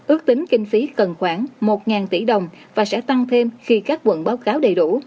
ước tính kinh phí cần khoảng một tỷ đồng và sẽ tăng thêm khi các quận báo cáo đầy đủ